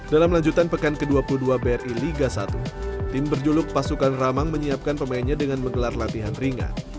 dalam lanjutan pekan ke dua puluh dua bri liga satu tim berjuluk pasukan ramang menyiapkan pemainnya dengan menggelar latihan ringan